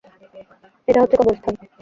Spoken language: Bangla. এটা হচ্ছে কবরস্থান।